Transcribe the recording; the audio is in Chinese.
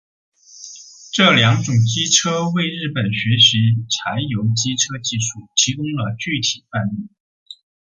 这两种机车为日本学习柴油机车技术提供了具体范例。